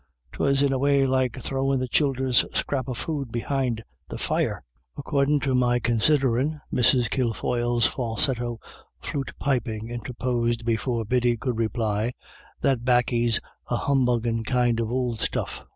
'Twas in a way like throwin' the childer's scrap of food behind the fire." "Accordin' to my considerin'," Mrs. Kilfoyle's falsetto flute piping interposed before Biddy could reply, "that baccy's a humbuggin' kind of ould stuff.